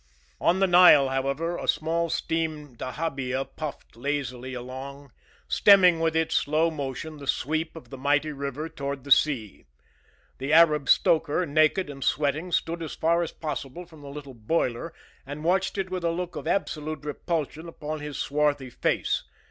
On the Nile, however, a small steam dahabeah puffed lazily along, stemming with its slow motion the sweep of the mighty river toward the sea. The Arab stoker, naked and sweating, stood as far as possible from the little boiler and watched it with a look of absolute repulsion upon his swarthy face.